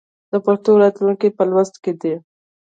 د پښتو راتلونکی په لوست کې دی.